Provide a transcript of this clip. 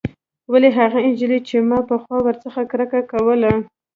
ولې هغه نجلۍ چې ما پخوا ورڅخه کرکه کوله.